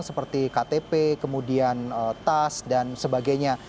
seperti ktp kemudian tas dan sebagainya